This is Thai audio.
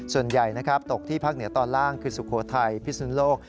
ส่วนใหญ่นะครับตกที่ภาคเหนือตอนล่างคือสุโขทัยพิสุนโลก